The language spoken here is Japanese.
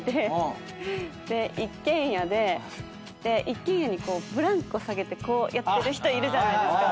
一軒家にブランコ下げてこうやってる人いるじゃないですか。